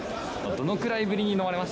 どのくらいぶりに飲まれまし